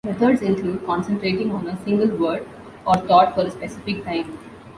Methods include concentrating on a single word or thought for a specific time.